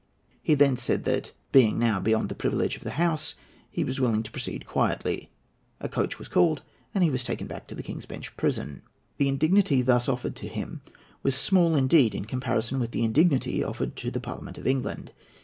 He then said that, being now beyond the privilege of the House, he was willing to proceed quietly. A coach was called, and he was taken back to the King's Bench Prison. The indignity thus offered to him was small indeed in comparison with the indignity offered to the Parliament of England.